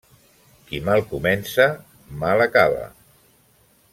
Qui mal comença, mal acaba.